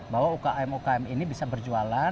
bahwa ukm ukm ini bisa berjualan